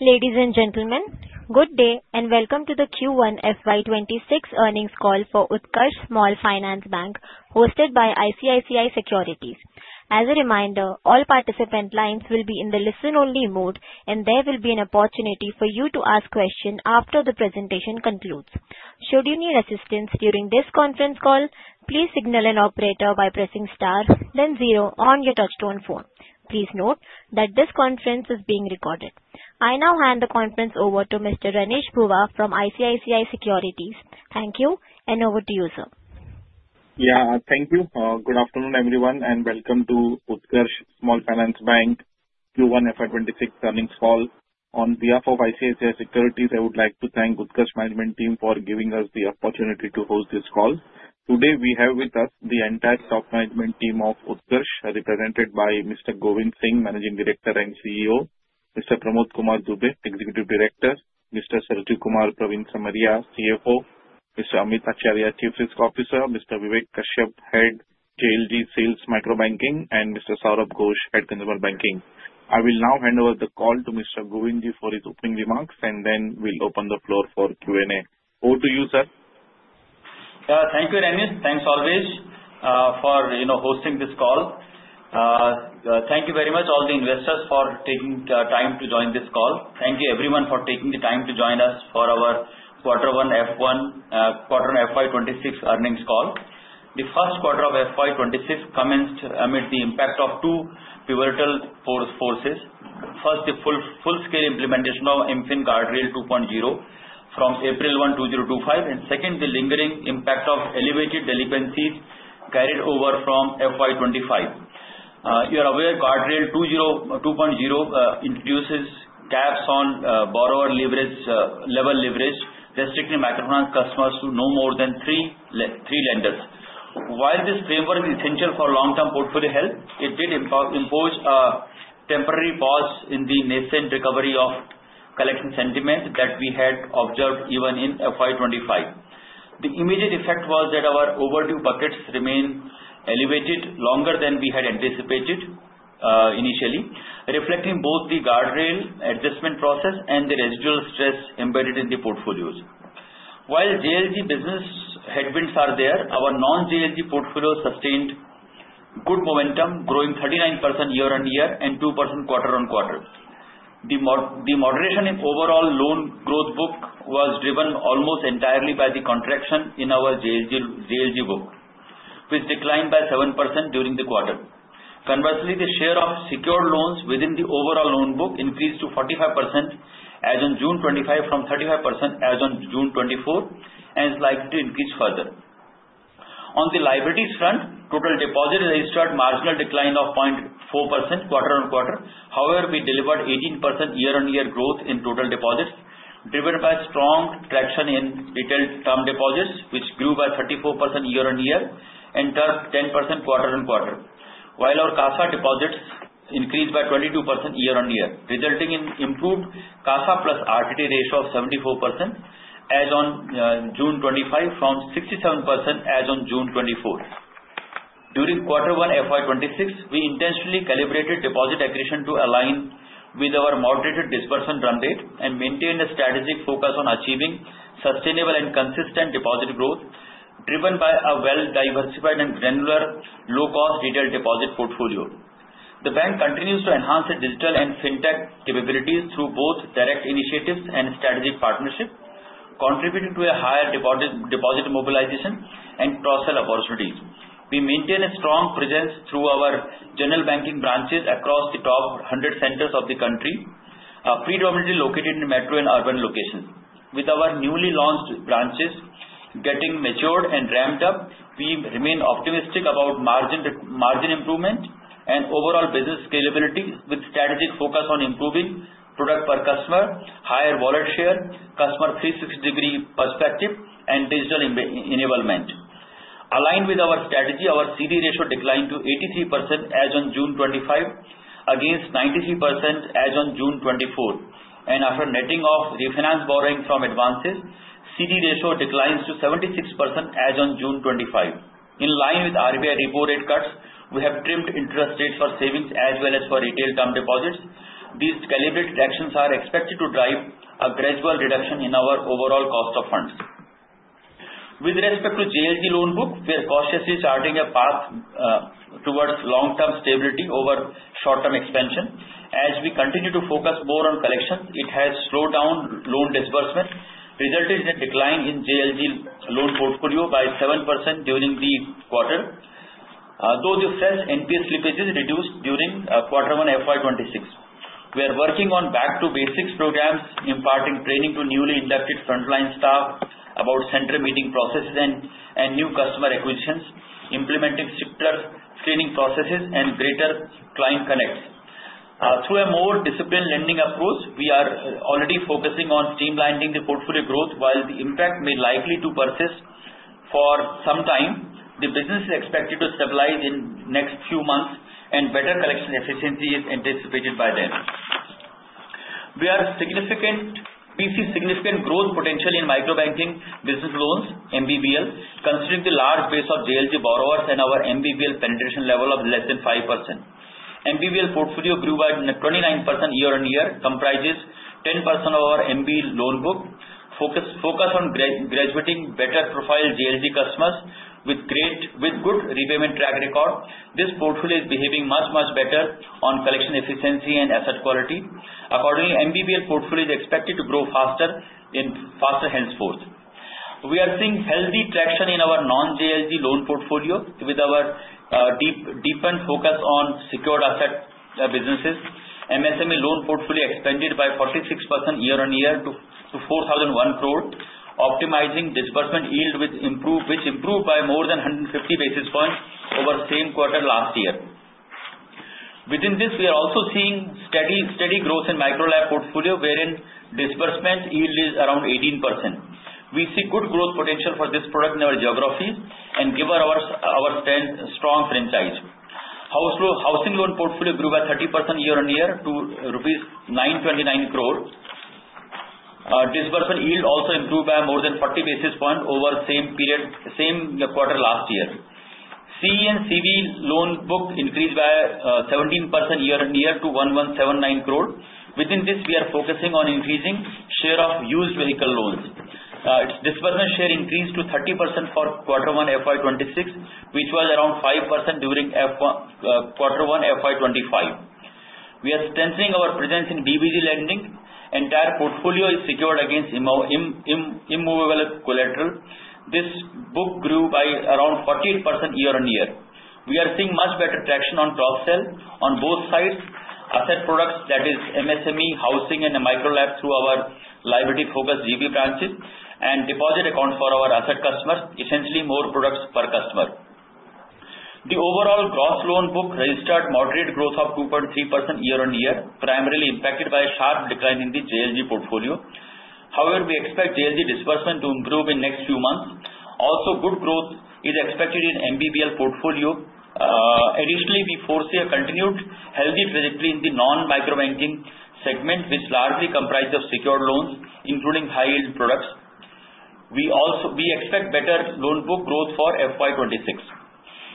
Ladies and gentlemen, good day and welcome to the Q1 FY26 earnings call for Utkarsh Small Finance Bank, hosted by ICICI Securities. As a reminder, all participant lines will be in the listen-only mode, and there will be an opportunity for you to ask questions after the presentation concludes. Should you need assistance during this conference call, please signal an operator by pressing star, then zero on your touch-tone phone. Please note that this conference is being recorded. I now hand the conference over to Mr. Renish Bhuva from ICICI Securities. Thank you, and over to you, sir. Yeah, thank you. Good afternoon, everyone, and welcome to Utkarsh Small Finance Bank Q1 FY26 earnings call. On behalf of ICICI Securities, I would like to thank Utkarsh Management Team for giving us the opportunity to host this call. Today, we have with us the entire top management team of Utkarsh, represented by Mr. Govind Singh, Managing Director and CEO, Mr. Pramod Kumar Dubey, Executive Director, Mr. Sarjukumar Pravin Simaria, CFO, Mr. Amit Acharya, Chief Risk Officer, Mr. Vivek Kashyap, Head JLG Sales Microbanking, and Mr. Saurabh Ghosh, Head Consumer Banking. I will now hand over the call to Mr. Govindji for his opening remarks, and then we'll open the floor for Q&A. Over to you, sir. Thank you, Renish. Thanks always for hosting this call. Thank you very much, all the investors, for taking time to join this call. Thank you, everyone, for taking the time to join us for our Q1 FY26 earnings call. The first quarter of FY26 commenced amid the impact of two pivotal forces. First, the full-scale implementation of Guardrail 2.0 from April 1, 2025, and second, the lingering impact of elevated delinquencies carried over from FY25. You are aware, Guardrail 2.0 introduces caps on borrower leverage, restricting microfinance customers to no more than three lenders. While this framework is essential for long-term portfolio health, it did impose a temporary pause in the nascent recovery of collection sentiment that we had observed even in FY25. The immediate effect was that our overdue buckets remained elevated longer than we had anticipated initially, reflecting both the guardrail adjustment process and the residual stress embedded in the portfolios. While JLG business headwinds are there, our non-JLG portfolios sustained good momentum, growing 39% year-on-year and 2% quarter-on-quarter. The moderation in overall loan growth book was driven almost entirely by the contraction in our JLG book, which declined by 7% during the quarter. Conversely, the share of secured loans within the overall loan book increased to 45% as of June 2025, from 35% as of June 2024, and is likely to increase further. On the liabilities front, total deposits registered a marginal decline of 0.4% quarter-on-quarter. However, we delivered 18% year-on-year growth in total deposits, driven by strong traction in retail term deposits, which grew by 34% year-on-year and 10% quarter-on-quarter, while our CASA deposits increased by 22% year-on-year, resulting in improved CASA plus RTD ratio of 74% as of June 25, from 67% as of June 24. During Q1 FY26, we intentionally calibrated deposit accretion to align with our moderated dispersion run rate and maintained a strategic focus on achieving sustainable and consistent deposit growth, driven by a well-diversified and granular low-cost retail deposit portfolio. The bank continues to enhance its digital and fintech capabilities through both direct initiatives and strategic partnerships, contributing to a higher deposit mobilization and cross-sell opportunities. We maintain a strong presence through our general banking branches across the top 100 centers of the country, predominantly located in metro and urban locations. With our newly launched branches getting matured and ramped up, we remain optimistic about margin improvement and overall business scalability, with a strategic focus on improving product per customer, higher wallet share, customer 360-degree perspective, and digital enablement. Aligned with our strategy, our CD ratio declined to 83% as of June 25, against 93% as of June 24, and after netting off refinance borrowing from advances, CD ratio declines to 76% as of June 25. In line with RBI repo rate cuts, we have trimmed interest rates for savings as well as for retail term deposits. These calibrated actions are expected to drive a gradual reduction in our overall cost of funds. With respect to JLG loan book, we are cautiously charting a path towards long-term stability over short-term expansion. As we continue to focus more on collections, it has slowed down loan disbursement, resulting in a decline in JLG loan portfolio by 7% during the quarter, though the fresh NPA slippage is reduced during Q1 FY26. We are working on back-to-basics programs, imparting training to newly inducted frontline staff about center meeting processes and new customer acquisitions, implementing stricter screening processes and greater client connects. Through a more disciplined lending approach, we are already focusing on streamlining the portfolio growth, while the impact may likely persist for some time. The business is expected to stabilize in the next few months, and better collection efficiency is anticipated by then. We see significant growth potential in microbanking business loans, MBBL, considering the large base of JLG borrowers and our MBBL penetration level of less than 5%. MBBL portfolio grew by 29% year-on-year, comprising 10% of our MB loan book, focused on graduating better-profile JLG customers with good repayment track record. This portfolio is behaving much, much better on collection efficiency and asset quality. Accordingly, MBBL portfolio is expected to grow faster and faster henceforth. We are seeing healthy traction in our non-JLG loan portfolio with our deepened focus on secured asset businesses. MSME loan portfolio expanded by 46% year-on-year to 4,001 crore, optimizing disbursement yield, which improved by more than 150 basis points over the same quarter last year. Within this, we are also seeing steady growth in Micro-LAP portfolio, wherein disbursement yield is around 18%. We see good growth potential for this product in our geography and given our strong franchise. Housing loan portfolio grew by 30% year-on-year to rupees 929 crore. Disbursement yield also improved by more than 40 basis points over the same quarter last year. CE and CV loan book increased by 17% year-on-year to 1,179 crore. Within this, we are focusing on increasing share of used vehicle loans. Its disbursement share increased to 30% for Q1 FY26, which was around 5% during Q1 FY25. We are strengthening our presence in BBG lending. The entire portfolio is secured against immovable collateral. This book grew by around 48% year-on-year. We are seeing much better traction on cross-sell on both sides. Asset products, that is, MSME, housing, and micro-LAPs through our liability-focused GB branches and deposit accounts for our asset customers, essentially more products per customer. The overall gross loan book registered moderate growth of 2.3% year-on-year, primarily impacted by a sharp decline in the JLG portfolio. However, we expect JLG disbursement to improve in the next few months. Also, good growth is expected in MBBL portfolio. Additionally, we foresee a continued healthy trajectory in the non-microbanking segment, which largely comprises secured loans, including high-yield products. We expect better loan book growth for FY26.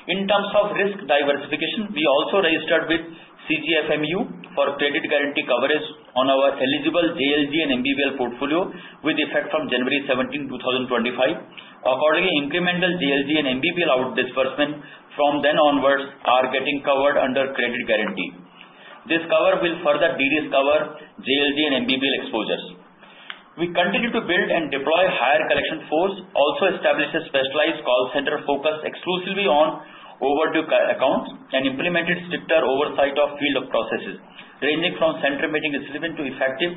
In terms of risk diversification, we also registered with CGFMU for credit guarantee coverage on our eligible JLG and MBBL portfolio, with effect from January 17, 2025. Accordingly, incremental JLG and MBBL out disbursement from then onwards are getting covered under credit guarantee. This cover will further de-risk our JLG and MBBL exposures. We continue to build and deploy higher collection force, also establish a specialized call center focused exclusively on overdue accounts and implement stricter oversight of field of processes, ranging from center meeting discipline to effective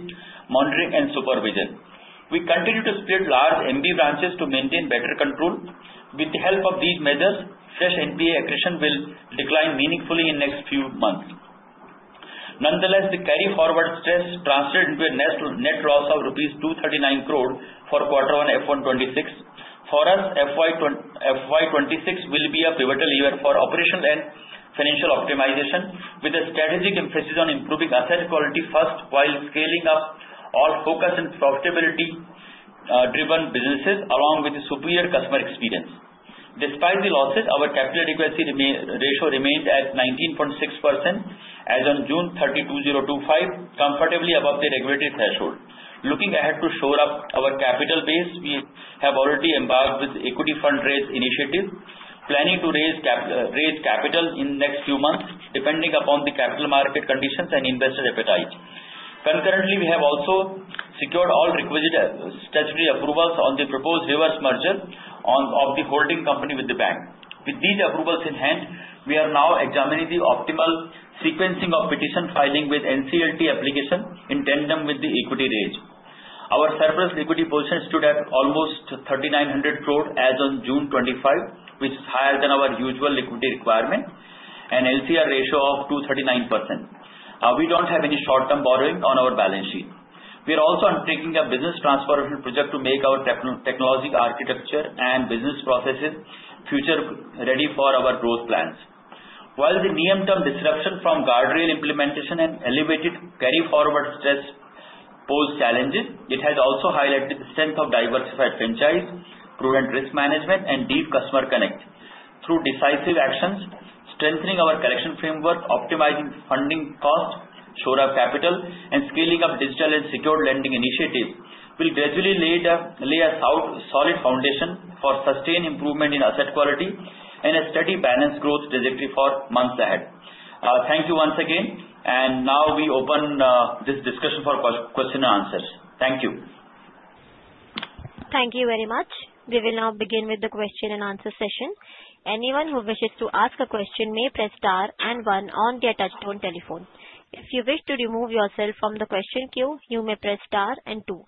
monitoring and supervision. We continue to split large MB branches to maintain better control. With the help of these measures, fresh NPA accretion will decline meaningfully in the next few months. Nonetheless, the carry-forward stress translated into a net loss of ₹239 crore for Q1 FY26. For us, FY26 will be a pivotal year for operational and financial optimization, with a strategic emphasis on improving asset quality first while scaling up our focus on profitability-driven businesses along with superior customer experience. Despite the losses, our capital adequacy ratio remained at 19.6% as of June 30, 2025, comfortably above the regulatory threshold. Looking ahead to shore up our capital base, we have already embarked on the equity fund-raise initiative, planning to raise capital in the next few months, depending upon the capital market conditions and investor appetite. Concurrently, we have also secured all requisite statutory approvals on the proposed reverse merger of the holding company with the bank. With these approvals in hand, we are now examining the optimal sequencing of petition filing with NCLT application in tandem with the equity raise. Our surplus liquidity position stood at almost 3,900 crore as of June 25, which is higher than our usual liquidity requirement and LCR ratio of 239%. We don't have any short-term borrowing on our balance sheet. We are also undertaking a business transformation project to make our technological architecture and business processes future-ready for our growth plans. While the near-term disruption from guardrail implementation and elevated carry-forward stress posed challenges, it has also highlighted the strength of diversified franchise, prudent risk management, and deep customer connect. Through decisive actions, strengthening our collection framework, optimizing funding cost, shore up capital, and scaling up digital and secured lending initiatives will gradually lay a solid foundation for sustained improvement in asset quality and a steady balance growth trajectory for months ahead. Thank you once again, and now we open this discussion for questions and answers. Thank you. Thank you very much. We will now begin with the question and answer session. Anyone who wishes to ask a question may press star and one on the attached phone. If you wish to remove yourself from the question queue, you may press star and two.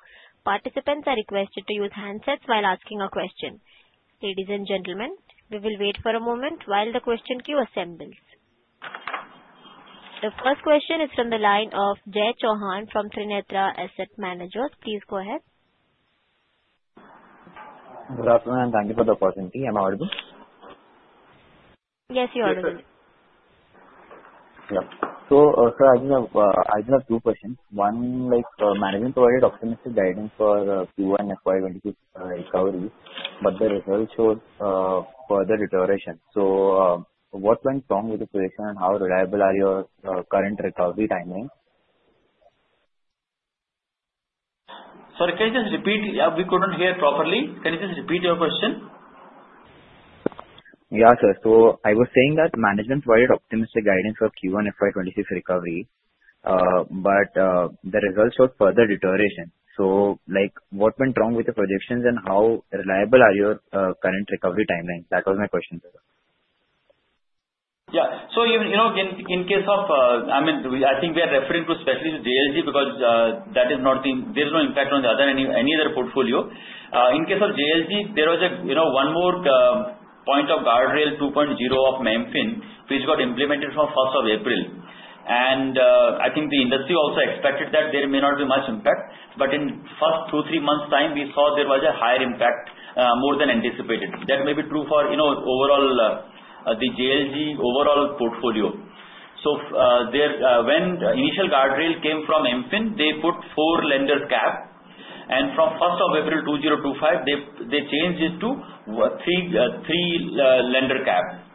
Participants are requested to use handsets while asking a question. Ladies and gentlemen, we will wait for a moment while the question queue assembles. The first question is from the line of Jay Chauhan from Trinetra Asset Managers. Please go ahead. Good afternoon, and thank you for the opportunity. Am I audible? Yes, you're audible. Yes, so I do have two questions. One, management provided optimistic guidance for Q1 FY26 recovery, but the results showed further deterioration, so what went wrong with the projection, and how reliable are your current recovery timelines? Sorry, can you just repeat? We couldn't hear properly. Can you just repeat your question? Yeah, sir. So I was saying that management provided optimistic guidance for Q1 FY26 recovery, but the results showed further deterioration. So what went wrong with the projections, and how reliable are your current recovery timelines? That was my question. Yeah. So in case of, I mean, I think we are referring to specifically to JLG because that is not; there is no impact on the other any other portfolio. In case of JLG, there was one more point of Guardrail 2.0 of MFIN, which got implemented from 1st of April. And I think the industry also expected that there may not be much impact. But in the first two, three months' time, we saw there was a higher impact more than anticipated. That may be true for overall the JLG overall portfolio. So when the initial guardrail came from MFIN, they put four lenders' cap. And from 1st of April 2025, they changed it to three lender caps.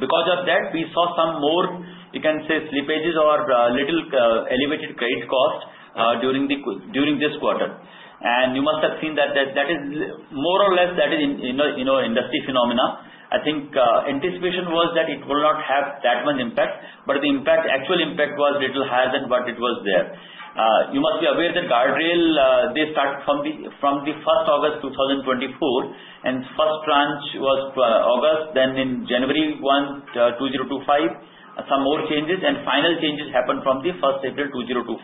Because of that, we saw some more, you can say, slippages or little elevated credit cost during this quarter. You must have seen that is more or less an industry phenomenon. I think anticipation was that it will not have that much impact, but the actual impact was a little higher than what it was there. You must be aware that guardrail, they start from the 1st August 2024, and the first tranche was August. Then in January 1, 2025, some more changes, and final changes happened from the 1st April 2025.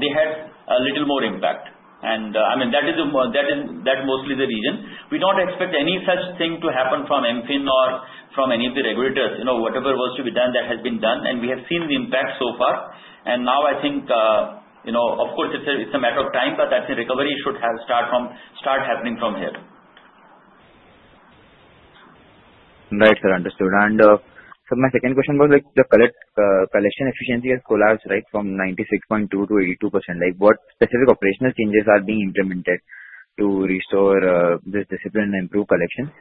They had a little more impact. I mean, that is mostly the reason. We don't expect any such thing to happen from MFIN or from any of the regulators. Whatever was to be done, that has been done. We have seen the impact so far. Now I think, of course, it's a matter of time, but I think recovery should start happening from here. Right, sir. Understood. And so my second question was the collection efficiency has collapsed right from 96.2% to 82%. What specific operational changes are being implemented to restore this discipline and improve collection?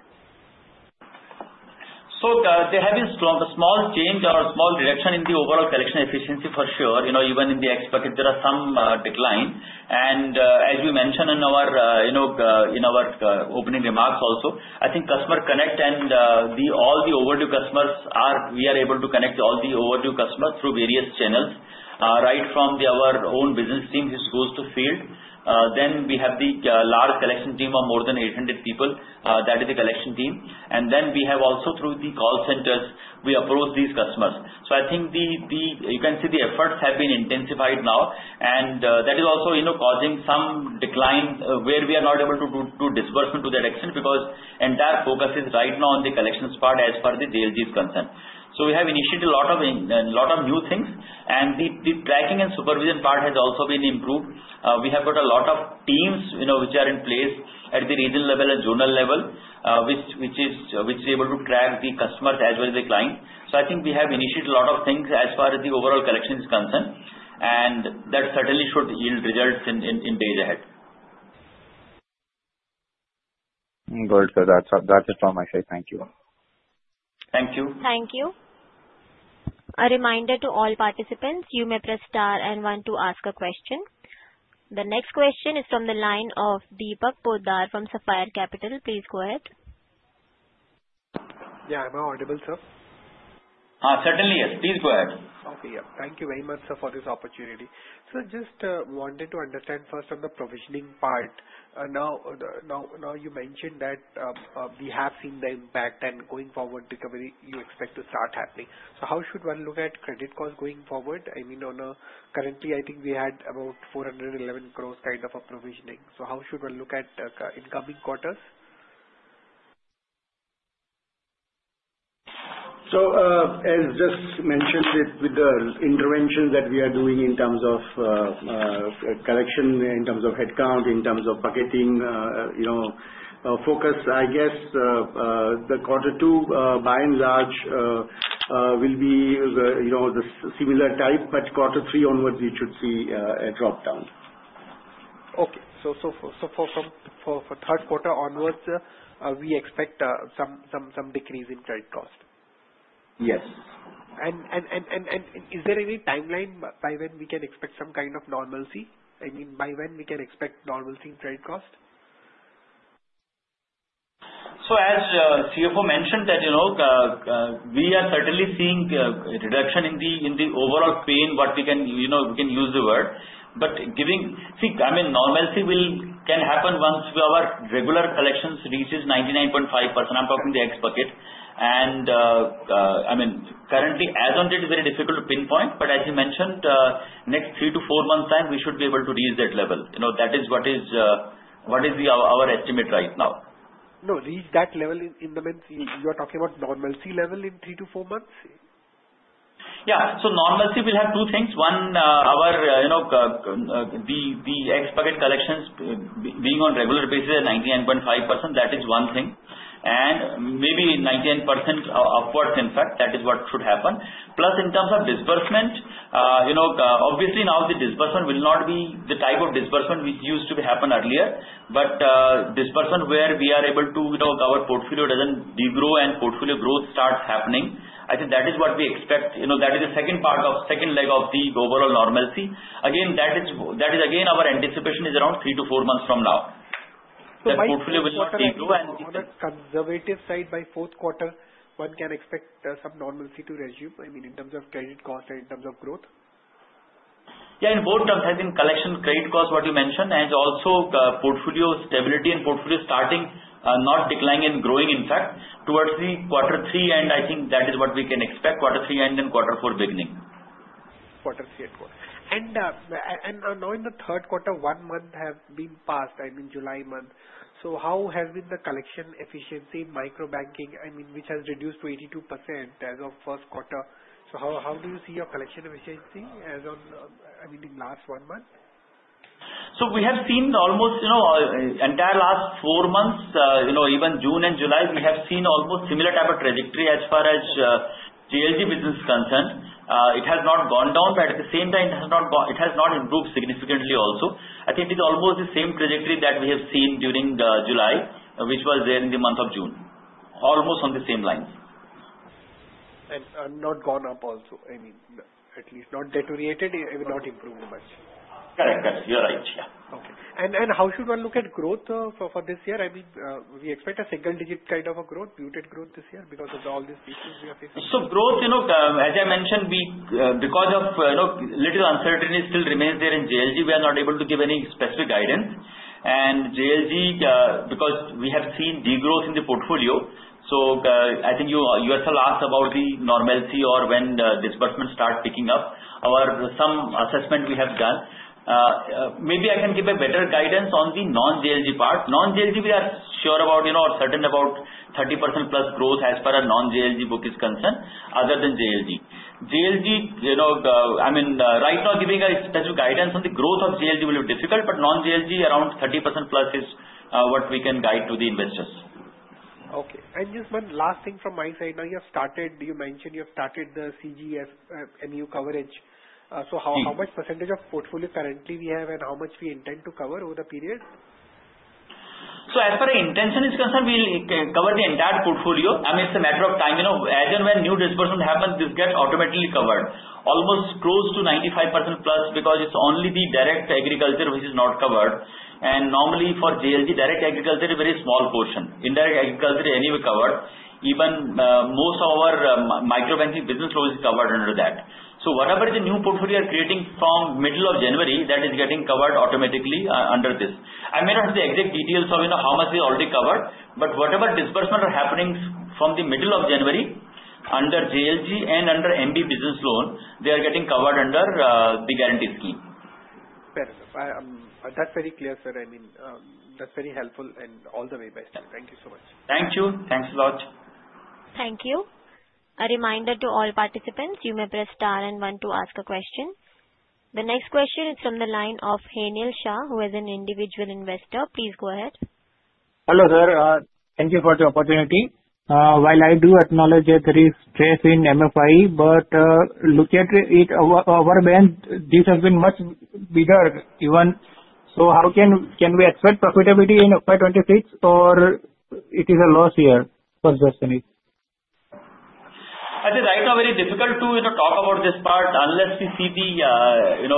There has been a small change or small reduction in the overall collection efficiency, for sure. Even in the expected, there are some declines. And as you mentioned in our opening remarks also, I think customer connect and all the overdue customers, we are able to connect all the overdue customers through various channels right from our own business team, which goes to field. Then we have the large collection team of more than 800 people. That is the collection team. And then we have also through the call centers, we approach these customers. So I think you can see the efforts have been intensified now. And that is also causing some decline where we are not able to do disbursement to that action because the entire focus is right now on the collections part as far as the JLG is concerned. So we have initiated a lot of new things. And the tracking and supervision part has also been improved. We have got a lot of teams which are in place at the regional level and zonal level, which is able to track the customers as well as the client. So I think we have initiated a lot of things as far as the overall collection is concerned. And that certainly should yield results in days ahead. Good. So that's it from my side. Thank you. Thank you. Thank you. A reminder to all participants, you may press star and one to ask a question. The next question is from the line of Deepak Poddar from Sapphire Capital. Please go ahead. Yeah, am I audible, sir? Certainly, yes. Please go ahead. Okay. Yeah. Thank you very much, sir, for this opportunity. So just wanted to understand first on the provisioning part. Now you mentioned that we have seen the impact, and going forward, recovery you expect to start happening. So how should one look at credit costs going forward? I mean, currently, I think we had about 411 crores kind of a provisioning. So how should one look at incoming quarters? So as just mentioned with the interventions that we are doing in terms of collection, in terms of headcount, in terms of bucketing focus, I guess the quarter two, by and large, will be the similar type, but quarter three onwards, we should see a dropdown. Okay. So for third quarter onwards, we expect some decrease in credit cost? Yes. Is there any timeline by when we can expect some kind of normalcy? I mean, by when we can expect normalcy in credit cost? So, as the CFO mentioned, we are certainly seeing a reduction in the overall pain, but we can use the word. But see, I mean, normalcy can happen once our regular collections reaches 99.5%. I'm talking the X Bucket. And I mean, currently, as of date, it is very difficult to pinpoint. But as you mentioned, next 3-4 months' time, we should be able to reach that level. That is what is our estimate right now. No, reach that level in the meantime? You are talking about normalcy level in three to four months? Yeah. So normalcy will have two things. One, the X bucket collections being on a regular basis at 99.5%, that is one thing. And maybe 99% upwards, in fact, that is what should happen. Plus, in terms of disbursement, obviously, now the disbursement will not be the type of disbursement which used to happen earlier. But disbursement where we are able to cover portfolio doesn't degrow and portfolio growth starts happening. I think that is what we expect. That is the second part of the second leg of the overall normalcy. Again, that is again our anticipation is around three to four months from now. So portfolio will not degrow and if the conservative side by fourth quarter, one can expect some normalcy to resume? I mean, in terms of credit cost and in terms of growth? Yeah. In both terms, I think collection, credit cost, what you mentioned, and also portfolio stability and portfolio starting not declining and growing, in fact, towards the quarter three, and I think that is what we can expect, quarter three and then quarter four beginning. And now in the third quarter, one month has been passed. I mean, July month. So how has been the collection efficiency, microbanking, I mean, which has reduced to 82% as of first quarter? So how do you see your collection efficiency as of, I mean, the last one month? So we have seen almost entire last four months, even June and July, we have seen almost similar type of trajectory as far as JLG business is concerned. It has not gone down, but at the same time, it has not improved significantly also. I think it is almost the same trajectory that we have seen during July, which was there in the month of June, almost on the same lines. And not gone up also, I mean, at least not deteriorated, not improved much. Correct. Correct. You're right. Yeah. Okay, and how should one look at growth for this year? I mean, we expect a single-digit kind of a growth, muted growth this year because of all these issues we are facing. Growth, as I mentioned, because of little uncertainty still remains there in JLG, we are not able to give any specific guidance. And JLG, because we have seen degrowth in the portfolio, so I think you are still asked about the normalcy or when disbursements start picking up. Our some assessment we have done. Maybe I can give a better guidance on the non-JLG part. Non-JLG, we are sure about or certain about 30% plus growth as far as non-JLG book is concerned other than JLG. JLG, I mean, right now, giving a specific guidance on the growth of JLG will be difficult, but non-JLG around 30% plus is what we can guide to the investors. Okay. And just one last thing from my side. Now you have started, you mentioned you have started the CGFMU coverage. So how much percentage of portfolio currently we have and how much we intend to cover over the period? So as far as intention is concerned, we'll cover the entire portfolio. I mean, it's a matter of time. As and when new disbursement happens, this gets automatically covered, almost close to 95% plus because it's only the direct agriculture which is not covered. And normally for JLG, direct agriculture is a very small portion. Indirect agriculture is anyway covered. Even most of our microbanking business loans is covered under that. So whatever the new portfolio are creating from middle of January, that is getting covered automatically under this. I may not have the exact details of how much is already covered, but whatever disbursements are happening from the middle of January under JLG and under MB business loan, they are getting covered under the guarantee scheme. That's very clear, sir. I mean, that's very helpful and all the way, best way. Thank you so much. Thank you. Thanks a lot. Thank you. A reminder to all participants, you may press star and one to ask a question. The next question is from the line of Henil Shah, who is an individual investor. Please go ahead. Hello, sir. Thank you for the opportunity. While I do acknowledge that there is stress in MFI, but look at it, our bank, this has been much better. So how can we expect profitability in FY26, or it is a loss here for the company? I think right now, very difficult to talk about this part unless we see the,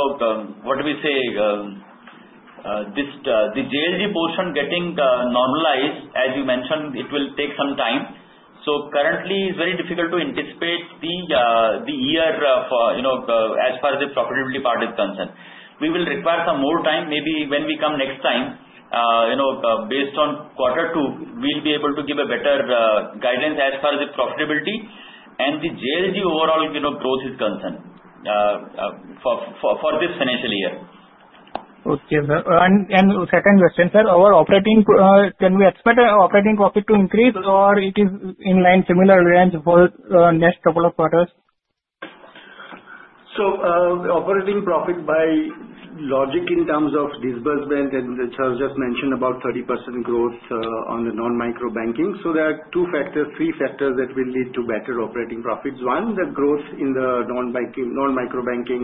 what do we say, the JLG portion getting normalized. As you mentioned, it will take some time. So currently, it's very difficult to anticipate the year as far as the profitability part is concerned. We will require some more time. Maybe when we come next time, based on quarter two, we'll be able to give a better guidance as far as the profitability and the JLG overall growth is concerned for this financial year. Okay. And second question, sir, our operating, can we expect operating profit to increase, or it is in line similar range for next couple of quarters? Operating profit by logic in terms of disbursement, and as I just mentioned, about 30% growth on the non-microbanking. There are two factors, three factors that will lead to better operating profits. One, the growth in the non-microbanking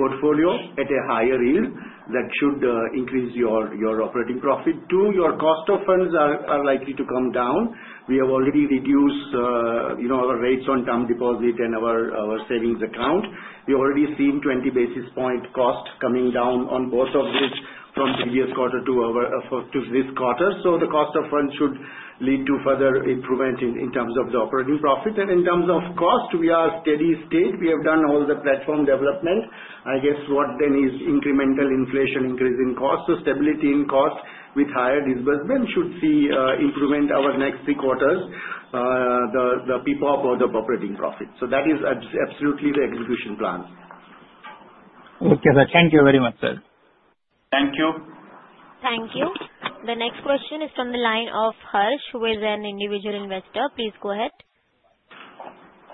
portfolio at a higher yield that should increase your operating profit. Two, your cost of funds are likely to come down. We have already reduced our rates on term deposit and our savings account. We already seen 20 basis points cost coming down on both of these from previous quarter to this quarter. The cost of funds should lead to further improvement in terms of the operating profit. In terms of cost, we are steady state. We have done all the platform development. I guess what then is incremental inflation increase in cost. So, stability in cost with higher disbursement should see improvement over next three quarters, the PPOP of the operating profit. So, that is absolutely the execution plan. Okay, sir. Thank you very much, sir. Thank you. Thank you. The next question is from the line of Harsh, who is an individual investor. Please go ahead.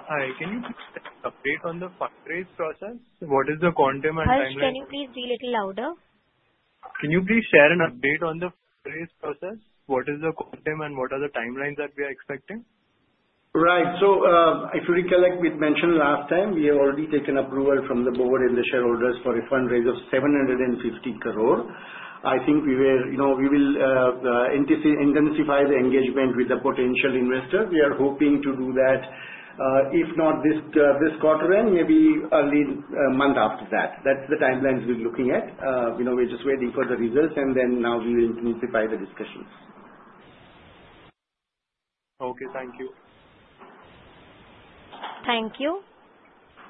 Hi. Can you please update on the fundraise process? What is the quantum and timeline? Harsh, can you please be a little louder? Can you please share an update on the fundraise process? What is the quantum and what are the timelines that we are expecting? Right. So if you recollect, we mentioned last time, we have already taken approval from the board and the shareholders for a fundraise of 750 crore. I think we will intensify the engagement with the potential investors. We are hoping to do that, if not this quarter end, maybe early month after that. That's the timelines we're looking at. We're just waiting for the results, and then now we will intensify the discussions. Okay. Thank you. Thank you.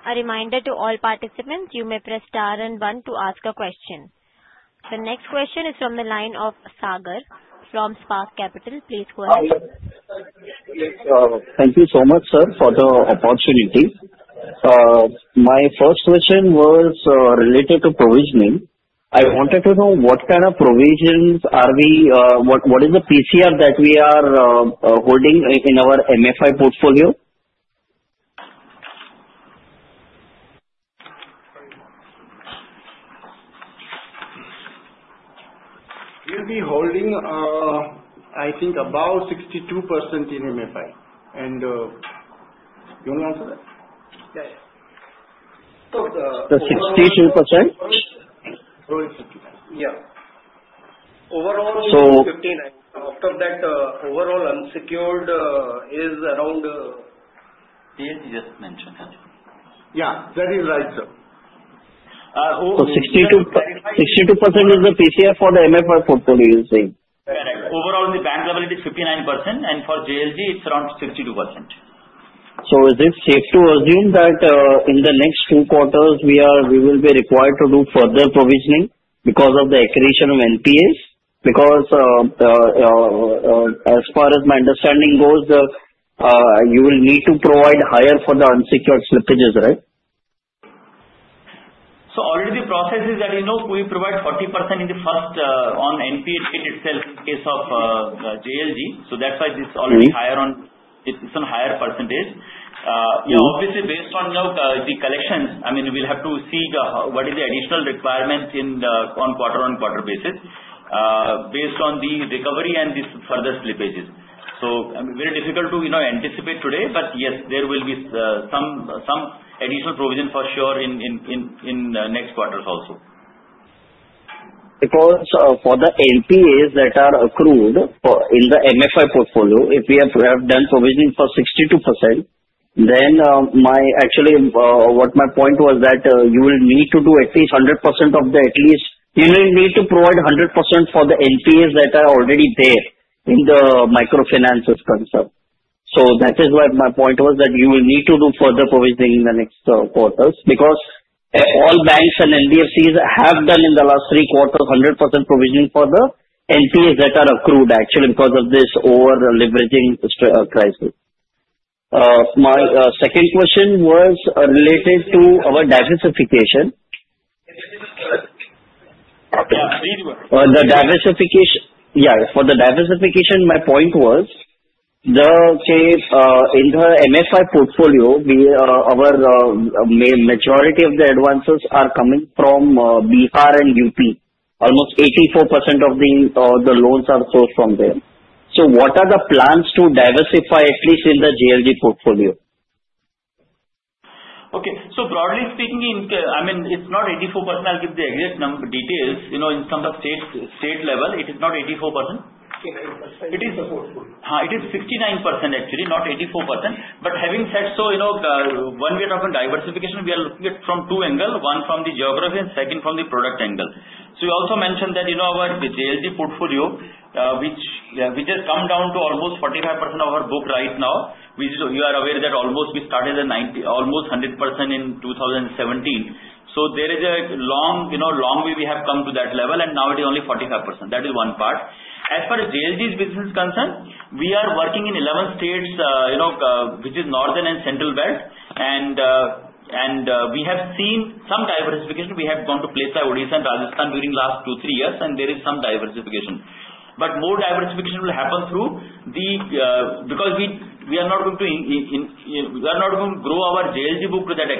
A reminder to all participants, you may press star and one to ask a question. The next question is from the line of Sagar from Spark Capital. Please go ahead. Thank you so much, sir, for the opportunity. My first question was related to provisioning. I wanted to know what is the PCR that we are holding in our MFI portfolio? We'll be holding, I think, about 62% in MFI. And you want to answer that? Yeah. So 62%? Yeah. Overall, after that, overall unsecured is around. PS just mentioned. Yeah. That is right, sir. 62% is the PCR for the MFI portfolio, you're saying? Correct. Overall, the bank level is 59%, and for JLG, it's around 62%. So is it safe to assume that in the next two quarters, we will be required to do further provisioning because of the accretion of NPAs? Because as far as my understanding goes, you will need to provide higher for the unsecured slippages, right? So already the process is that we provide 40% in the first on NPA itself in case of JLG. So that's why this is already higher on its own higher percentage. Yeah, obviously, based on the collections, I mean, we'll have to see what is the additional requirement on quarter-on-quarter basis based on the recovery and these further slippages. So very difficult to anticipate today, but yes, there will be some additional provision for sure in next quarters also. Because for the LPAs that are accrued in the MFI portfolio, if we have done provisioning for 62%, then actually what my point was that you will need to do at least 100% you will need to provide 100% for the NPAs that are already there in the microfinance as concerned. So that is why my point was that you will need to do further provisioning in the next quarters because all banks and NBFCs have done in the last three quarters 100% provisioning for the NPAs that are accrued actually because of this over-leveraging crisis. My second question was related to our diversification. Yeah. For the diversification, my point was that in the MFI portfolio, our majority of the advances are coming from Bihar and UP. Almost 84% of the loans are sourced from there. So what are the plans to diversify at least in the JLG portfolio? Okay. So broadly speaking, I mean, it's not 84%. I'll give the exact details. In terms of state level, it is not 84%. 69%. It is a portfolio. It is 69% actually, not 84%. But having said so, when we are talking diversification, we are looking at from two angles, one from the geography and second from the product angle. So you also mentioned that our JLG portfolio, which has come down to almost 45% of our book right now, which you are aware that almost we started at almost 100% in 2017. So there is a long way we have come to that level, and now it is only 45%. That is one part. As far as JLG's business is concerned, we are working in 11 states, which is northern and central belt, and we have seen some diversification. We have gone to places like Odisha and Rajasthan during the last two, three years, and there is some diversification. More diversification will happen through that because we are not going to grow our JLG book to that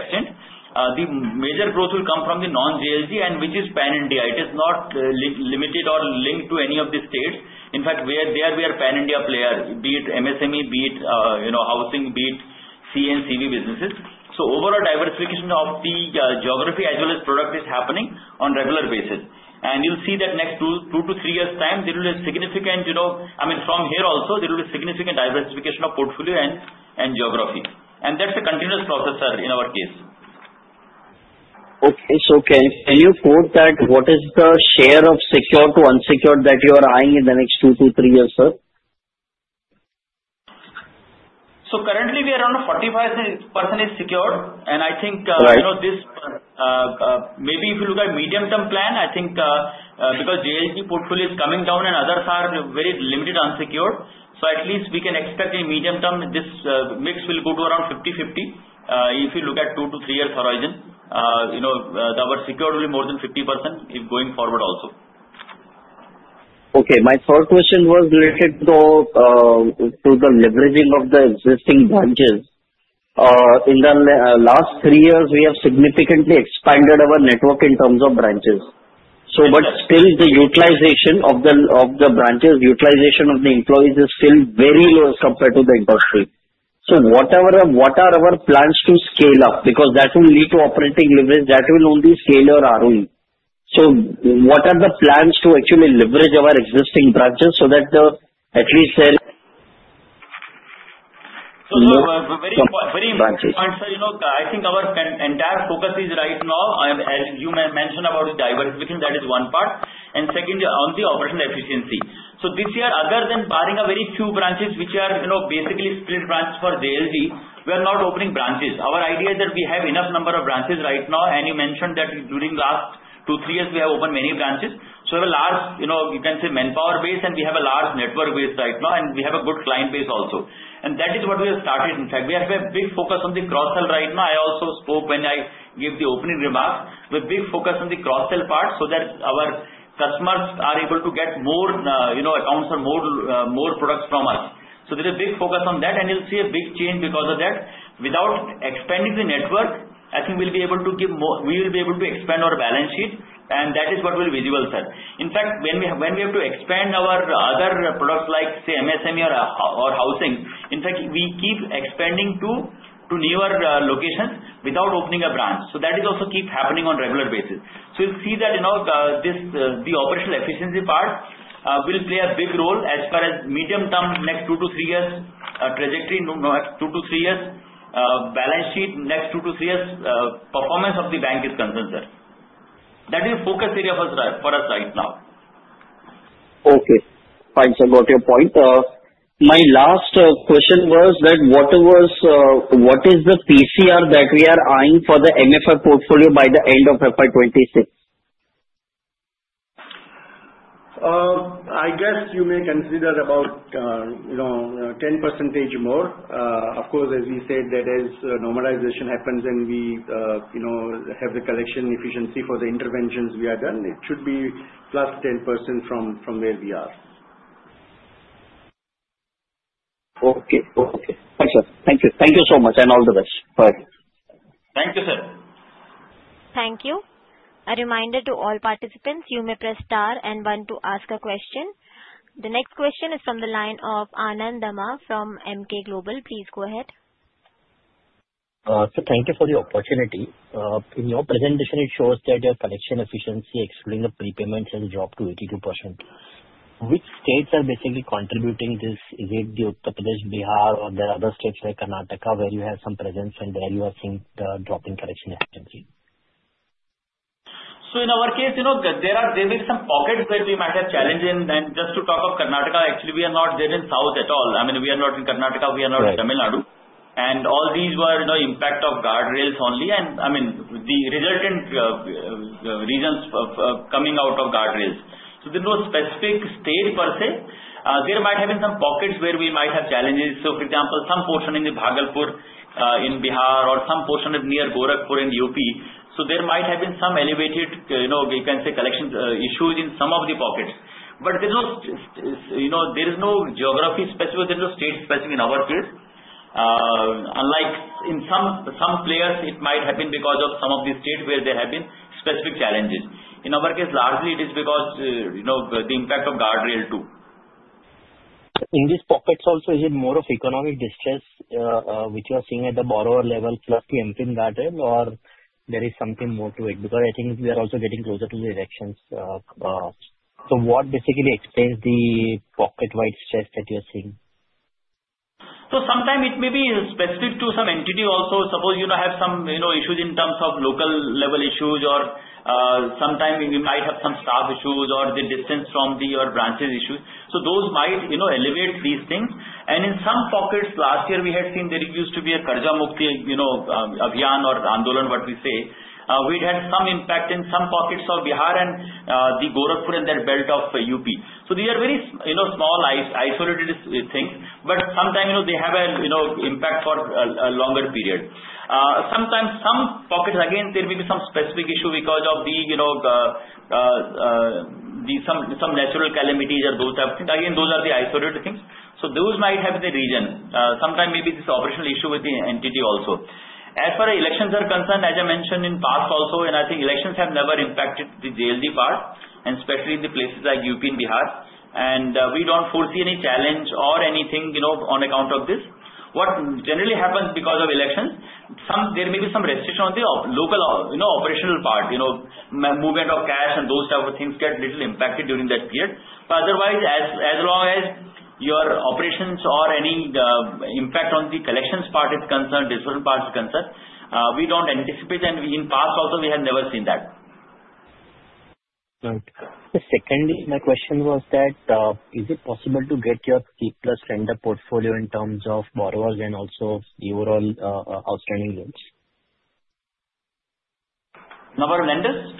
extent. The major growth will come from the non-JLG, which is pan-India. It is not limited or linked to any of the states. In fact, there we are a pan-India player, be it MSME, be it housing, be it CE and CV businesses. So overall diversification of the geography as well as product is happening on a regular basis. You'll see that next two to three years' time, there will be a significant I mean, from here also, there will be significant diversification of portfolio and geography. That's a continuous process, sir, in our case. Okay, so can you quote that what is the share of secured to unsecured that you are eyeing in the next two to three years, sir? So currently, we are around 45% is secured. And I think this maybe if you look at medium-term plan, I think because JLG portfolio is coming down and others are very limited unsecured. So at least we can expect in medium term, this mix will go to around 50-50. If you look at two to three years' horizon, our secured will be more than 50% if going forward also. Okay. My third question was related to the leveraging of the existing branches. In the last three years, we have significantly expanded our network in terms of branches. But still, the utilization of the branches, utilization of the employees is still very low compared to the industry. So what are our plans to scale up? Because that will lead to operating leverage that will only scale your ROE. So what are the plans to actually leverage our existing branches so that at least. That So very important point, sir. I think our entire focus is right now, as you mentioned about the diversification, that is one part. And second, on the operational efficiency. So this year, other than barring a very few branches, which are basically split branches for JLG, we are not opening branches. Our idea is that we have enough number of branches right now. And you mentioned that during the last two to three years, we have opened many branches. So we have a large, you can say, manpower base, and we have a large network base right now, and we have a good client base also. And that is what we have started. In fact, we have a big focus on the cross-sell right now. I also spoke, when I gave the opening remarks, we have a big focus on the cross-sell part so that our customers are able to get more accounts or more products from us. So there is a big focus on that, and you'll see a big change because of that. Without expanding the network, I think we'll be able to give more. We will be able to expand our balance sheet, and that is what will be visible, sir. In fact, when we have to expand our other products like, say, MSME or housing, in fact, we keep expanding to newer locations without opening a branch. So that is also keep happening on a regular basis. So you'll see that the operational efficiency part will play a big role as far as medium-term, next two to three years' trajectory, two to three years' balance sheet, next two to three years' performance of the bank is concerned, sir. That is the focus area for us right now. Okay. Thanks. I got your point. My last question was that what is the PCR that we are eyeing for the MFI portfolio by the end of FY26? I guess you may consider about 10% more. Of course, as we said, that as normalization happens and we have the collection efficiency for the interventions we have done, it should be plus 10% from where we are. Okay. Okay. Thanks, sir. Thank you. Thank you so much, and all the best. Bye. Thank you, sir. Thank you. A reminder to all participants, you may press star and one to ask a question. The next question is from the line of Anand Dama from Emkay Global. Please go ahead. So thank you for the opportunity. In your presentation, it shows that your collection efficiency exceeding the prepayments has dropped to 82%. Which states are basically contributing this? Is it the Uttar Pradesh, Bihar, or the other states like Karnataka where you have some presence, and there you are seeing the drop in collection efficiency? So in our case, there are some pockets where we might have challenges. And just to talk of Karnataka, actually, we are not there in South at all. I mean, we are not in Karnataka. We are not in Tamil Nadu. And all these were the impact of guardrails only. And I mean, the resultant reasons coming out of guardrails. So there was specific state per se. There might have been some pockets where we might have challenges. So for example, some portion in the Bhagalpur in Bihar or some portion near Gorakhpur in UP. So there might have been some elevated, you can say, collection issues in some of the pockets. But there is no geography specific. There is no state specific in our case. Unlike in some players, it might have been because of some of the states where there have been specific challenges. In our case, largely, it is because of the impact of Guardrail too. In these pockets also, is it more of economic distress which you are seeing at the borrower level plus the MFIN guardrail, or there is something more to it? Because I think we are also getting closer to the elections. So what basically explains the pocket-wide stress that you are seeing? So sometimes it may be specific to some entity also. Suppose you have some issues in terms of local-level issues, or sometimes we might have some staff issues or the distance from your branches issues. So those might elevate these things. And in some pockets, last year, we had seen there used to be a Karz Mukti Abhiyan or Andolan, what we say. We had some impact in some pockets of Bihar and the Gorakhpur and that belt of UP. So these are very small, isolated things, but sometimes they have an impact for a longer period. Sometimes some pockets, again, there may be some specific issue because of some natural calamities or those type of things. Again, those are the isolated things. So those might have the reason. Sometimes maybe it's an operational issue with the entity also. As for elections are concerned, as I mentioned in past also, and I think elections have never impacted the JLG part, and especially the places like UP and Bihar, and we don't foresee any challenge or anything on account of this. What generally happens because of elections, there may be some restriction on the local operational part. Movement of cash and those type of things get little impacted during that period. But otherwise, as long as your operations or any impact on the collections part is concerned, disbursal part is concerned, we don't anticipate, and in past also, we have never seen that. Right. Secondly, my question was that is it possible to get your 3+ lender portfolio in terms of borrowers and also your all outstanding loans? Of our lenders?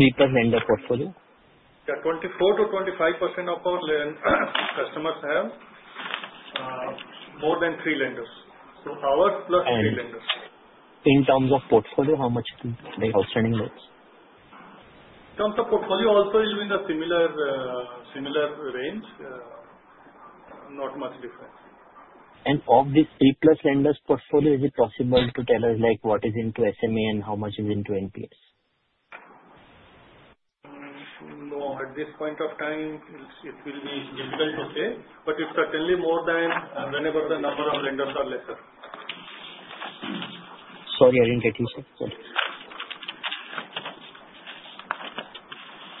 3+ lender portfolio? Yeah. 24%-25% of our customers have more than three lenders. So ours plus three lenders. In terms of portfolio, how much is the outstanding loans? In terms of portfolio, also it will be in the similar range. Not much difference. Of these 3+ lenders' portfolio, is it possible to tell us what is into SME and how much is into NPA? No. At this point of time, it will be difficult to say, but it's certainly more than whenever the number of lenders are lesser. Sorry, I didn't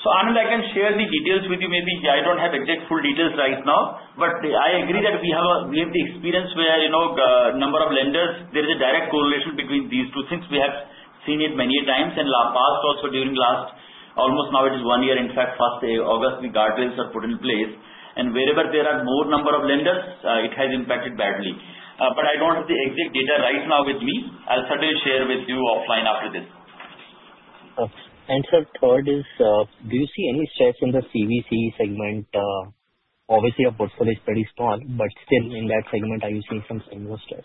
get you. Sorry. So Anand, I can share the details with you. Maybe I don't have exact full details right now, but I agree that we have the experience where a number of lenders, there is a direct correlation between these two things. We have seen it many times in the past, also during last almost now it is one year. In fact, first August, the guardrails are put in place. And wherever there are more number of lenders, it has impacted badly. But I don't have the exact data right now with me. I'll certainly share with you offline after this. Okay. And, sir, third is, do you see any stress in the CV segment? Obviously, your portfolio is pretty small, but still in that segment, are you seeing some stress?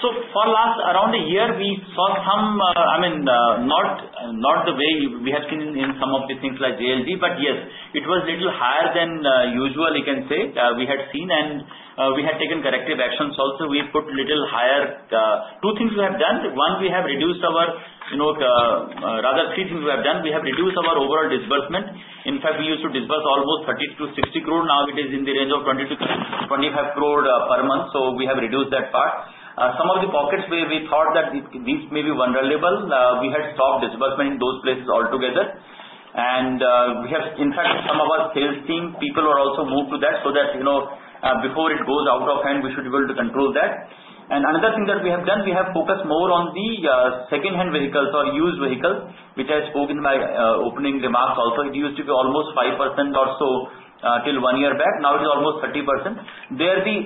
For last around a year, we saw some, I mean, not the way we have seen in some of the things like JLG, but yes, it was little higher than usual, you can say, we had seen. We had taken corrective actions also. We put little higher two things we have done. One, we have reduced our rather three things we have done. We have reduced our overall disbursement. In fact, we used to disburse almost 30-60 crore. Now it is in the range of 20-25 crore per month. We have reduced that part. Some of the pockets where we thought that these may be vulnerable, we had stopped disbursement in those places altogether. In fact, some of our sales team, people were also moved to that so that before it goes out of hand, we should be able to control that. And another thing that we have done. We have focused more on the second-hand vehicles or used vehicles, which I spoke in my opening remarks also. It used to be almost 5% or so till one year back. Now it is almost 30%. There the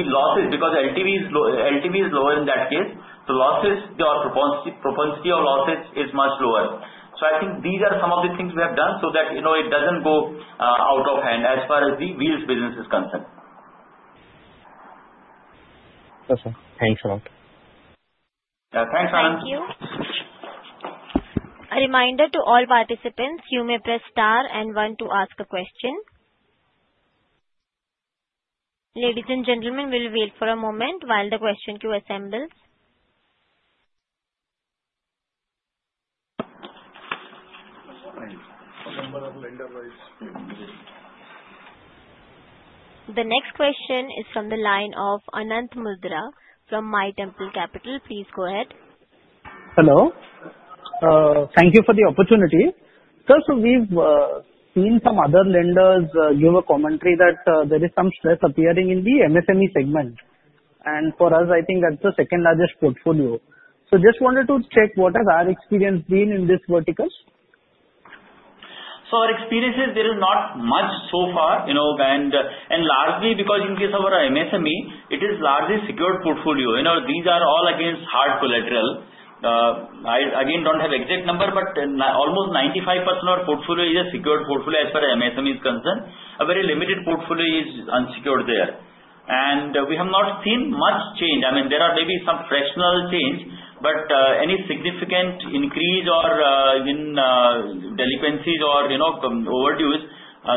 losses because LTV is lower in that case. The propensity of losses is much lower. So I think these are some of the things we have done so that it doesn't go out of hand as far as the Wheels Business is concerned. Yes, sir. Thanks a lot. Thanks, Anand. Thank you. A reminder to all participants, you may press star and one to ask a question. Ladies and gentlemen, we'll wait for a moment while the question queue assembles. The next question is from the line of Anand Mundra from MyTemple Capital. Please go ahead. Hello. Thank you for the opportunity. Sir, so we've seen some other lenders give a commentary that there is some stress appearing in the MSME segment, and for us, I think that's the second largest portfolio, so just wanted to check what has our experience been in this vertical? Our experience is there is not much so far. And largely because in case of our MSME, it is largely secured portfolio. These are all against hard collateral. I again don't have exact number, but almost 95% of our portfolio is a secured portfolio as far as MSME is concerned. A very limited portfolio is unsecured there. And we have not seen much change. I mean, there are maybe some fractional change, but any significant increase or delinquencies or overdues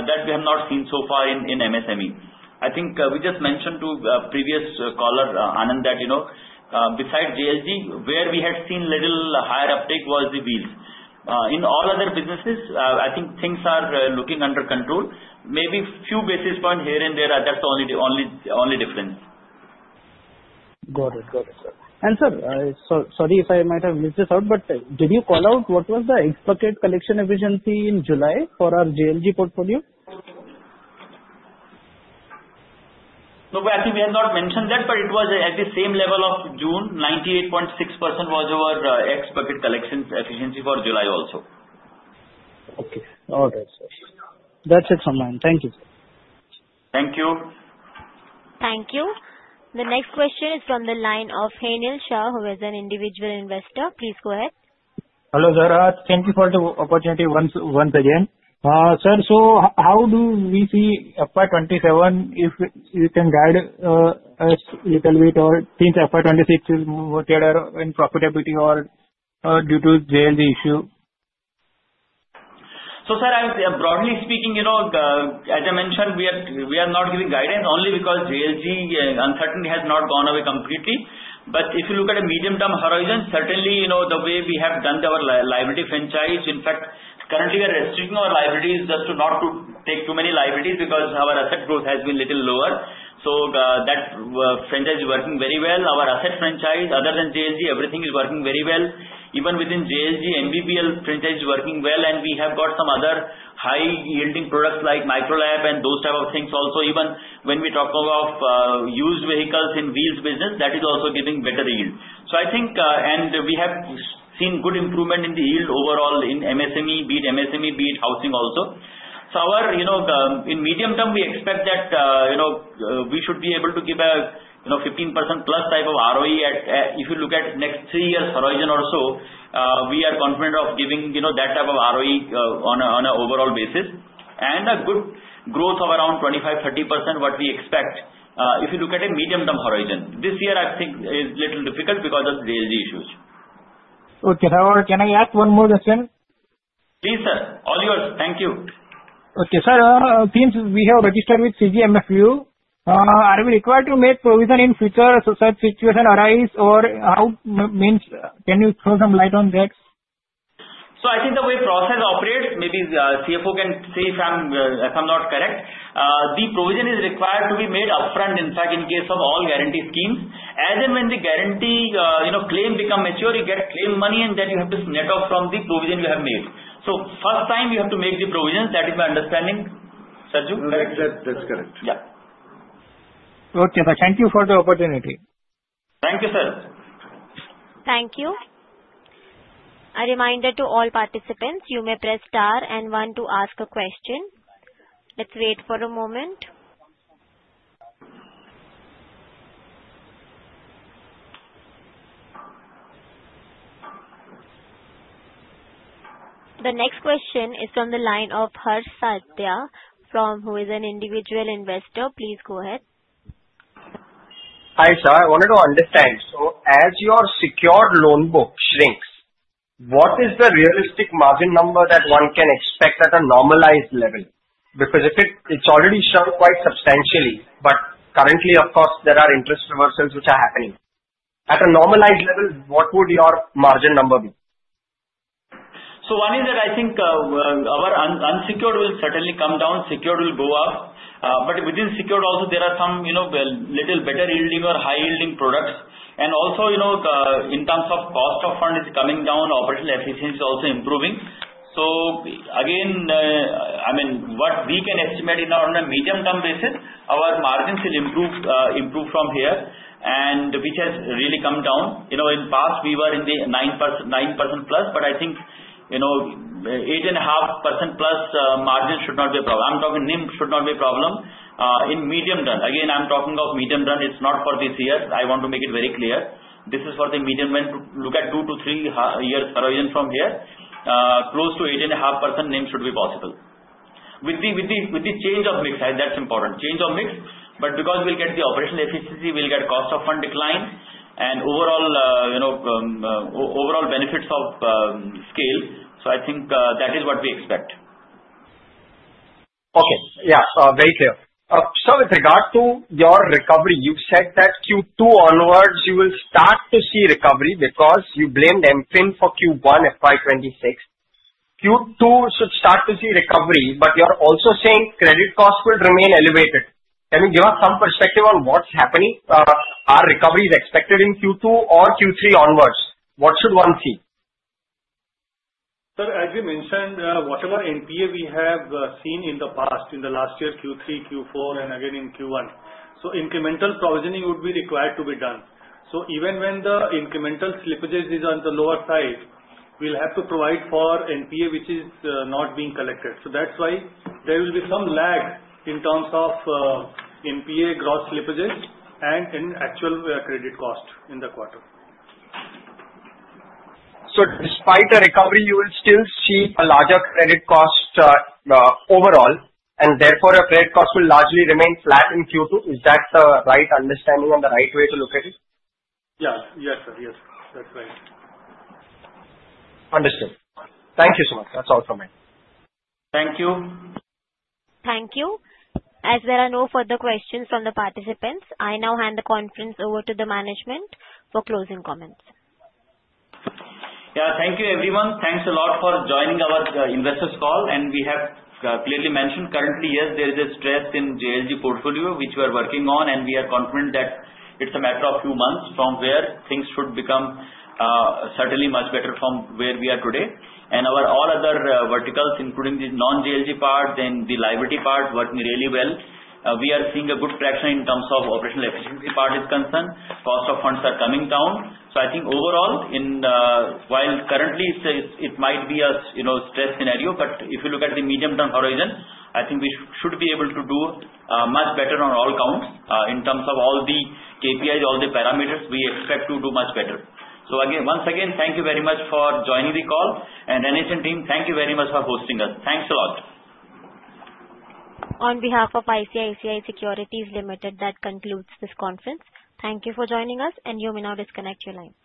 that we have not seen so far in MSME. I think we just mentioned to previous caller Anand that besides JLG, where we had seen little higher uptake was the wheels. In all other businesses, I think things are looking under control. Maybe few basis points here and there. That's the only difference. Got it. Got it. And sir, sorry if I might have missed this out, but did you call out what was the expected collection efficiency in July for our JLG portfolio? No, but I think we had not mentioned that, but it was at the same level of June. 98.6% was our expected collection efficiency for July also. Okay. All right, sir. That's it from mine. Thank you, sir. Thank you. Thank you. The next question is from the line of Hainil Shah, who is an individual investor. Please go ahead. Hello, sir. Thank you for the opportunity once again. Sir, so how do we see FY27 if you can guide us a little bit or since FY26 is more tethered in profitability or due to JLG issue? Sir, broadly speaking, as I mentioned, we are not giving guidance only because JLG uncertainty has not gone away completely. But if you look at a medium-term horizon, certainly the way we have done our liability franchise, in fact, currently we are restricting our liabilities just to not take too many liabilities because our asset growth has been little lower. So that franchise is working very well. Our asset franchise, other than JLG, everything is working very well. Even within JLG, MBBL franchise is working well, and we have got some other high-yielding products like Micro-LAP and those type of things also. Even when we talk of used vehicles in wheels business, that is also giving better yield. So I think, and we have seen good improvement in the yield overall in MSME, be it MSME, be it housing also. So in medium term, we expect that we should be able to give a 15% plus type of ROE if you look at next three years' horizon also. We are confident of giving that type of ROE on an overall basis and a good growth of around 25%-30%, what we expect if you look at a medium-term horizon. This year, I think, is little difficult because of JLG issues. Okay. Can I ask one more question? Please, sir. All yours. Thank you. Okay. Sir, since we have registered with CGFMU, are we required to make provision in future such situation arise or how can you throw some light on that? So, I think the way the process operates. Maybe the CFO can say if I'm not correct. The provision is required to be made upfront, in fact, in case of all guarantee schemes. As in, when the guarantee claim becomes mature, you get claim money, and then you have to net off from the provision you have made. So, first time, you have to make the provision. That is my understanding. Sarju? That's correct. Yeah. Okay, sir. Thank you for the opportunity. Thank you, sir. Thank you. A reminder to all participants, you may press star and one to ask a question. Let's wait for a moment. The next question is from the line of Harsh Sadhya, who is an individual investor. Please go ahead. Hi, sir. I wanted to understand. So as your secured loan book shrinks, what is the realistic margin number that one can expect at a normalized level? Because it's already shrunk quite substantially, but currently, of course, there are interest reversals which are happening. At a normalized level, what would your margin number be? So one is that I think our unsecured will certainly come down. Secured will go up. But within secured also, there are some little better-yielding or high-yielding products. And also, in terms of cost of fund, it's coming down. Operational efficiency is also improving. So again, I mean, what we can estimate on a medium-term basis, our margins will improve from here, which has really come down. In past, we were in the 9% plus, but I think 8.5% plus margin should not be a problem. I'm talking NIM should not be a problem. In the medium term, again, I'm talking of medium term. It's not for this year. I want to make it very clear. This is for the medium range to look at two to three years' horizon from here. Close to 8.5% NIM should be possible. With the change of mix, that's important. Change of mix, but because we'll get the operational efficiency, we'll get cost of funds decline, and overall benefits of scale. So I think that is what we expect. Okay. Yeah. Very clear. Sir, with regard to your recovery, you've said that Q2 onwards, you will start to see recovery because you blamed MFIN for Q1 FY26. Q2 should start to see recovery, but you're also saying credit costs will remain elevated. Can you give us some perspective on what's happening? Are recoveries expected in Q2 or Q3 onwards? What should one see? Sir, as you mentioned, whatever NPA we have seen in the past, in the last year, Q3, Q4, and again in Q1. So incremental provisioning would be required to be done. So even when the incremental slippages are on the lower side, we'll have to provide for NPA which is not being collected. So that's why there will be some lag in terms of NPA gross slippages and in actual credit cost in the quarter. So despite a recovery, you will still see a larger credit cost overall, and therefore your credit cost will largely remain flat in Q2. Is that the right understanding and the right way to look at it? Yeah. Yes, sir. Yes. That's right. Understood. Thank you so much. That's all from me. Thank you. Thank you. As there are no further questions from the participants, I now hand the conference over to the management for closing comments. Yeah. Thank you, everyone. Thanks a lot for joining our investors' call. And we have clearly mentioned currently, yes, there is a stress in JLG portfolio which we are working on, and we are confident that it's a matter of few months from where things should become certainly much better from where we are today. And our all other verticals, including the non-JLG part and the liability part, working really well. We are seeing a good traction in terms of operational efficiency part is concerned. Cost of funds are coming down. So I think overall, while currently it might be a stress scenario, but if you look at the medium-term horizon, I think we should be able to do much better on all counts in terms of all the KPIs, all the parameters we expect to do much better. So once again, thank you very much for joining the call. ICICI team, thank you very much for hosting us. Thanks a lot. On behalf of ICICI Securities Limited, that concludes this conference. Thank you for joining us, and you may now disconnect your lines.